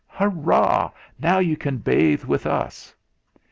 "Hurrah! Now you can bathe with us."